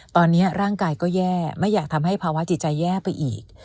ตอนนี้ร่างกายก็แย่ไม่อยากทำให้ภาวะจิตใจแย่ไปอีก